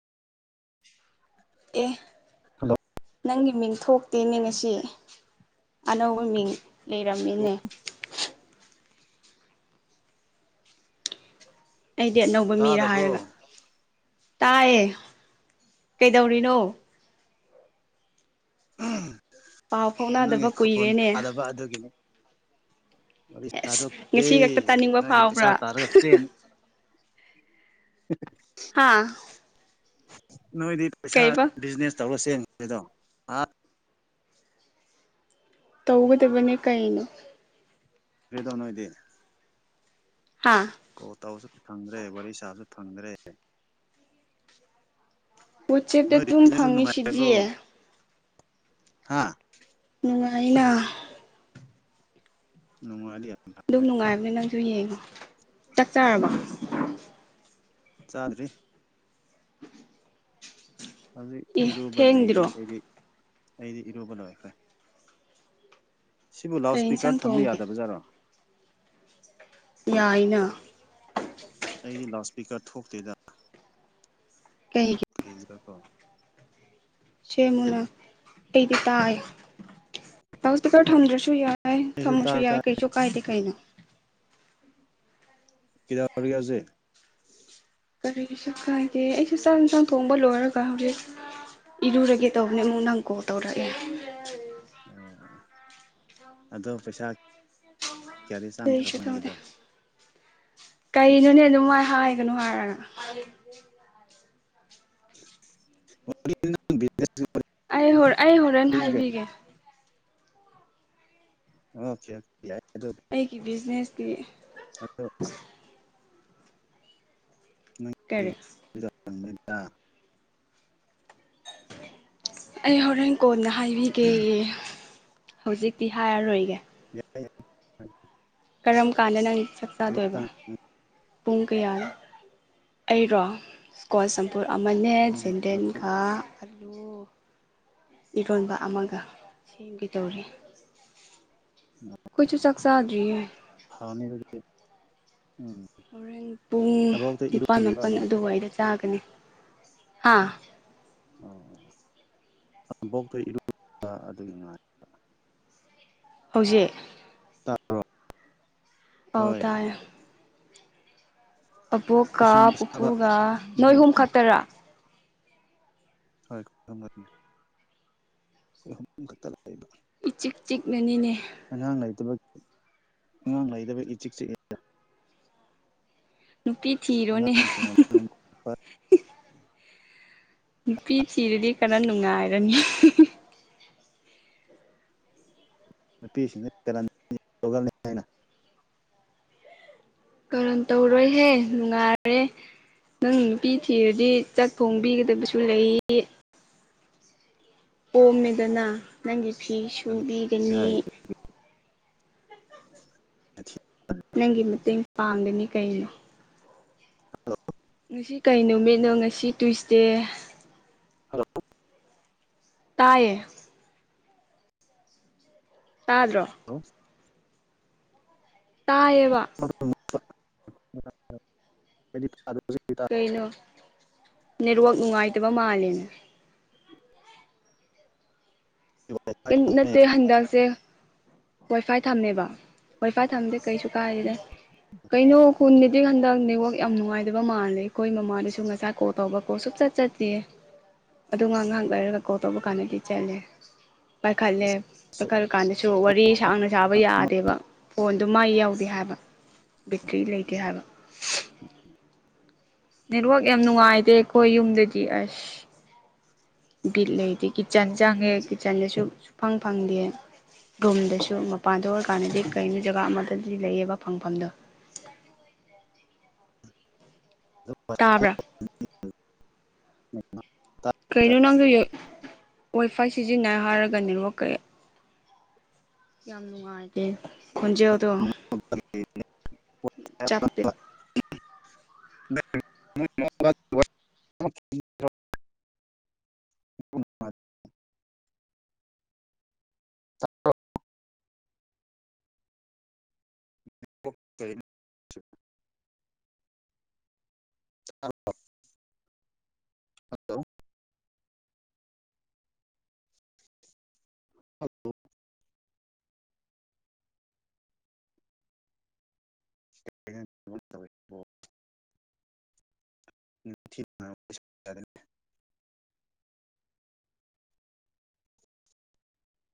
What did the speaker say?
ꯑꯦ hello ꯅꯪꯒꯤ ꯃꯤꯡ ꯊꯣꯛ ꯇꯦꯅꯦ ꯉꯁꯤ ꯑꯅꯧꯕ ꯃꯤꯡ ꯂꯩꯔꯝꯃꯤꯅꯦ ꯑꯩꯗꯤ ꯑꯅꯧꯕ ꯃꯤꯔ ꯍꯥꯏꯔꯒ ꯇꯥꯗꯕ꯭ꯔꯣ ꯇꯥꯏꯌꯦ ꯀꯩꯗꯧꯔꯤꯅꯣ ꯄꯥꯎ ꯐꯥꯎꯅꯗꯕ ꯅꯪꯒꯤ ꯈꯣꯟ ꯀꯨꯏꯔꯦꯅꯦ ꯇꯥꯗꯕ ꯑꯗꯨꯒꯤꯅꯦ ꯋꯥꯔꯤ ꯑꯦꯁ ꯁꯥꯗꯣꯛꯇꯦ ꯉꯁꯤ ꯈꯛꯇ ꯇꯥꯅꯤꯡꯕ ꯅꯣꯏꯗꯤ ꯄꯩꯁꯥ ꯐꯥꯎꯕ꯭ꯔꯥ ꯇꯥꯔꯒ ꯆꯦꯟꯅꯤ [unintelligible] ꯍꯥꯥ ꯅꯣꯏꯗꯤ ꯄꯩꯁꯥ ꯀꯩꯕ ꯕꯤꯖꯤꯅꯦꯁ ꯇꯧꯔ ꯆꯦꯈ꯭ꯔꯤꯗꯣ ꯑ ꯇꯧꯒꯗꯕꯅꯦ ꯀꯩꯅꯣ ꯀꯦꯗ꯭ꯔꯣ ꯅꯣꯏꯗꯤ ꯍꯥꯥ ꯀꯣꯜ ꯇꯧꯔꯁꯨ ꯐꯪꯗ꯭ꯔꯦ ꯋꯥꯔꯤ ꯁꯥꯕꯁꯨ ꯐꯪꯗ꯭ꯔꯦ ꯋꯥꯆꯦꯞꯇ ꯅꯣꯏꯗꯤ ꯑꯗꯨꯝ [unintelligible] ꯐꯪꯉꯤꯁꯤꯗꯤ ꯅꯨꯡꯉꯥꯏꯕ꯭ꯔꯣ ꯍꯥ ꯅꯨꯡꯉꯥꯏꯅ ꯅꯨꯡꯉꯥꯏꯔꯗꯤ ꯌꯥꯔꯦ ꯑꯗꯨꯝ ꯅꯨꯡꯉꯥꯏꯕꯅꯦ ꯅꯪꯁꯨ ꯌꯦꯡꯉꯣ ꯆꯥꯛ ꯆꯥꯔꯕꯣ ꯆꯥꯗ꯭ꯔꯤ ꯍꯧꯖꯤꯛ ꯑꯦ ꯏꯔꯨꯕ ꯂꯩꯔꯤ ꯊꯦꯡꯗ꯭ꯔꯣ ꯑꯩꯗꯤ ꯑꯩꯗꯤ ꯏꯔꯨꯕ ꯂꯣꯏꯈ꯭ꯔꯦ ꯁꯤꯕꯨ ꯂꯥꯎꯠ ꯀꯩ ꯁ꯭ꯄꯤꯀꯔ ꯏꯟꯁꯥꯡ ꯊꯝꯕ ꯊꯣꯡꯒꯦ ꯌꯥꯗꯕꯖꯥꯔꯣ ꯌꯥꯏꯅ ꯑꯩꯗꯤ ꯂꯥꯎꯠ ꯁ꯭ꯄꯤꯀꯔ ꯊꯣꯛꯇꯦꯗ ꯀꯩꯒꯤ ꯀ꯭ꯔꯤꯒꯤꯔ ꯀꯣ ꯁꯦꯝꯃꯨꯅ ꯑꯩꯗꯤ ꯇꯥꯏ ꯂꯥꯎꯠ ꯁ꯭ꯄꯤꯀꯔ ꯑꯩ ꯊꯝꯗ꯭ꯔꯁꯨ ꯌꯥꯏ ꯑꯩꯁꯨ ꯊꯝꯃꯁꯨ ꯇꯥꯏ ꯌꯥꯏ ꯇꯥꯏ ꯀꯩꯁꯨ ꯀꯥꯏꯗꯦ ꯀꯩꯅꯣ ꯀꯤꯗꯧꯔꯤꯒꯦ ꯍꯧꯖꯤꯛ ꯀꯔꯤꯒꯤꯁꯨ ꯀꯥꯏꯗꯦ ꯑꯩꯁꯨ ꯆꯥꯛ ꯍꯤꯟꯖꯥꯡ ꯊꯣꯡꯕ ꯂꯣꯏꯔꯒ ꯍꯧꯖꯤꯛ ꯏꯔꯨꯔꯒꯦ ꯇꯧꯕꯅꯦ ꯑꯃꯨꯛ ꯅꯪ ꯀꯣꯜ ꯇꯧꯔꯛꯑꯦ ꯑꯣ ꯑꯗꯣ ꯄꯩꯁꯥ ꯀꯌꯥꯗꯤ ꯀꯔꯤꯁꯨ ꯆꯪꯈ꯭ꯔꯕ ꯇꯧꯗꯦ ꯅꯪꯒꯤꯗꯣ ꯀꯩꯅꯣꯅꯦ ꯑꯗꯨꯃꯥꯏ ꯍꯥꯏꯒꯅꯨ ꯍꯥꯏꯔꯒ [unintelligible] ꯑꯩ ꯍꯧꯔ ꯑꯩ ꯍꯣꯔꯦꯟ ꯑꯩꯅ ꯀꯩ ꯍꯥꯏꯕꯤꯒꯦ ꯑꯣꯀꯦ ꯑꯗꯨꯗꯤ ꯌꯥꯏ ꯑꯗꯨꯗꯤ ꯑꯩꯒꯤ ꯕꯤꯖꯤꯅꯦꯁꯀꯤ ꯑꯗꯣ ꯅꯪ ꯀꯔꯤ [unintelligible] ꯑꯩ ꯍꯣꯔꯦꯟ ꯀꯣꯟꯅ ꯍꯥꯏꯕꯤꯒꯦ ꯍꯧꯖꯤꯛꯇꯤ ꯍꯥꯏꯔꯔꯣꯏꯒꯦ ꯌꯥꯏ ꯌꯥꯏ ꯀꯔꯝ ꯀꯥꯟꯗ ꯅꯪ ꯆꯥꯛ ꯆꯥꯗꯣꯏꯕ ꯄꯨꯡ ꯀꯌꯥ ꯑꯩꯔꯣ ꯀꯣꯟꯁꯝ ꯄꯨꯔ ꯑꯃꯅꯦ ꯖꯦꯟꯗꯦꯟꯒ ꯑꯂꯨ ꯏꯔꯣꯟꯕ ꯑꯃꯒ ꯁꯦꯝꯒꯦ ꯇꯧꯔꯤ [unintelligible] ꯈꯣꯏꯁꯨ ꯆꯥꯛ ꯆꯥꯗ꯭ꯔꯤꯌꯦ ꯍꯥꯅꯤ ꯑꯗꯨꯗꯤ ꯎꯝ ꯍꯣꯔꯦꯟ ꯄꯨꯡ ꯑꯕꯣꯛꯇ ꯅꯤꯄꯥꯜ ꯏꯔꯨꯔꯤꯕ ꯃꯥꯄꯟ ꯑꯗꯨꯝ ꯑꯗꯨꯋꯥꯏꯗ ꯆꯥꯒꯅꯤ ꯍꯥꯥ ꯑꯣ ꯑꯣ ꯑꯕꯣꯛꯇꯣ ꯏꯔꯨꯕ ꯑꯗꯨꯒꯤ ꯉꯥꯏ ꯍꯧꯖꯤꯛ ꯇꯥꯕ꯭ꯔꯣ ꯑꯧ ꯇꯥꯏꯌꯦ ꯑꯕꯣꯛꯀ ꯏꯁꯤꯡ ꯑꯁꯥꯕ ꯄꯨꯄꯨꯒ ꯏꯔꯨꯕ ꯅꯣꯏꯑꯍꯨꯝ ꯈꯛꯇꯔꯥ ꯍꯣꯏ ꯇꯨꯝꯃꯅꯤ ꯑꯈꯣꯏ ꯑꯍꯨꯝ ꯈꯛꯇ ꯂꯩꯕ ꯏꯆꯤꯛ ꯆꯤꯛꯅꯅꯤꯅꯦ ꯑꯉꯥꯡ ꯂꯩꯇꯕꯒꯤ ꯑꯉꯥꯡ ꯂꯩꯇꯕꯩ ꯏꯆꯤꯛ ꯆꯤꯛꯏ ꯅꯨꯄꯤ ꯊꯤꯔꯣꯅꯦ ꯑꯉꯥꯡꯁꯤꯡꯅ ꯂꯥꯡꯕ ꯈꯣꯠꯄ ꯅꯨꯄꯤ ꯊꯤꯔꯗꯤ ꯈꯔ ꯅꯨꯡꯉꯥꯏꯔꯅꯤ ꯅꯨꯄꯤ ꯁꯤꯡꯁꯤ ꯀꯔꯟ ꯌꯥꯝ ꯇꯧꯒꯟꯂꯦ ꯀꯔꯟ ꯇꯧꯔꯣꯏ ꯍꯦ ꯅꯨꯡꯉꯥꯏꯔꯦ ꯅꯪ ꯅꯨꯄꯤ ꯊꯤꯔꯗꯤ ꯆꯥꯛ ꯊꯣꯡꯕꯤꯒꯗꯕꯁꯨ ꯂꯩ ꯀꯣꯝꯃꯦꯗꯅ ꯅꯪꯒꯤ ꯐꯤ ꯁꯨꯕꯤꯒꯅꯤ ꯑꯊꯤ ꯇꯟ ꯅꯪꯒꯤ ꯃꯇꯦꯡ ꯄꯥꯡꯒꯅꯤ ꯀꯩꯅꯣ ꯍꯜꯂꯣ ꯉꯁꯤ ꯀꯩ ꯅꯨꯃꯤꯠꯅꯣ ꯉꯁꯤ ꯇꯨꯏꯁꯗꯦ ꯇꯥꯏꯌꯦ ꯇꯥꯗ꯭ꯔꯣ ꯇꯥꯏꯑꯕ [unintelligible] ꯀꯩꯅꯣ ꯅꯦꯠꯋꯥꯛ ꯅꯨꯡꯉꯥꯏꯇꯕ ꯃꯥꯜꯂꯦꯅꯦ ꯋꯥꯏꯐꯥꯏ ꯄꯤꯟ ꯊꯥꯅꯩ ꯅꯠꯇꯦ ꯍꯟꯗꯛꯁꯦ ꯋꯥꯏ ꯐꯥꯏ ꯊꯝꯃꯦꯕ ꯋꯥꯏ ꯐꯥꯏ ꯊꯝꯗꯤ ꯀꯩꯁꯨ ꯀꯥꯏꯗꯦ ꯀꯩꯅꯣ ꯈꯨꯟ ꯍꯟꯗꯛ ꯅꯦꯠꯋꯥꯛ ꯌꯥꯝ ꯅꯨꯡꯉꯥꯏꯇꯕ ꯃꯥꯜꯂꯦ ꯑꯩꯈꯣꯏ ꯃꯃꯥꯗꯁꯨ ꯉꯁꯥꯏ ꯀꯣꯜ ꯇꯧꯕꯀꯣ ꯁꯨꯞꯆꯠ ꯆꯠꯇꯤꯌꯦ ꯑꯗꯣ ꯉꯥꯍꯥꯛ ꯉꯥꯍꯥꯛ ꯂꯩꯔꯒ ꯀꯣꯜ ꯇꯧꯕ ꯀꯥꯟꯗꯗꯤ ꯆꯠꯂꯦ ꯄꯥꯏꯈꯠꯂꯦ ꯄꯥꯏꯈꯠꯂ ꯀꯥꯟꯗꯁꯨ ꯋꯥꯔꯤ ꯁꯥꯡꯅ ꯁꯥꯕ ꯌꯥꯗꯦꯕ ꯐꯣꯟꯗꯣ ꯃꯩ ꯌꯥꯎꯗꯦ ꯍꯥꯏꯕ ꯕꯦꯇ꯭ꯔꯤ ꯂꯩꯇꯦ ꯍꯥꯏꯕ ꯅꯦꯠꯋꯥꯛ ꯌꯥꯝ ꯅꯨꯡꯉꯥꯏꯇꯦ ꯑꯩꯈꯣꯏ ꯌꯨꯝꯗꯒꯤ ꯑꯁ ꯕꯤꯠ ꯂꯩꯇꯦ ꯀꯤꯠꯆꯟ ꯆꯪꯉꯦ ꯀꯤꯠꯆꯟꯗꯁꯨ ꯁꯨꯐꯪ ꯐꯪꯗꯦ꯫ ꯔꯨꯝꯗꯁꯨ ꯃꯄꯥꯟꯗ ꯑꯣꯏꯔꯀꯥꯟꯗꯗꯤ ꯀꯩꯅꯣ ꯖꯒꯥ ꯑꯃꯗꯗꯤ ꯂꯩꯌꯦꯕ ꯐꯪꯐꯝꯗꯣ꯫ [unintelligible] ꯇꯥꯕ꯭ꯔꯥ [unintelligible] ꯀꯩꯅꯣ ꯅꯪꯁꯨ ꯌꯦ ꯋꯥꯏ ꯐꯥꯏ ꯁꯤꯖꯤꯟꯅꯩ ꯍꯥꯏꯔꯒ ꯅꯦꯠ ꯋꯥꯛ ꯀꯩ ꯌꯥꯝ ꯅꯨꯡꯉꯥꯏꯇꯦ ꯈꯣꯟꯖꯦꯜꯗꯣ ꯆꯞꯄꯦ [unintelligible] [unintelligible] [unintelligible] [unintelligible] ꯇꯥ꯭ꯔꯕꫭ ꯍꯜꯂꯣ [unintelligible]